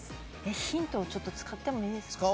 ヒントを使ってもいいですか？